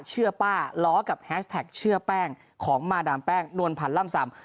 เชื่อป้าล้อกับแฮชแท็กเชื่อแป้งของมาดามแป้งนวลพันธ์ล่ำซำ